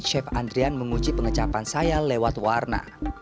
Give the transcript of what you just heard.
chef andrian menguji pengecapan saya lewat warna